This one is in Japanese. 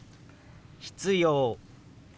「必要」。